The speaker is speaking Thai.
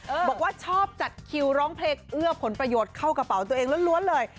บอกว่าชอบจัดคิวร้องเพลงเอื้อผลประโยชน์เข้ากระเป๋าตัวเองล้วนเลย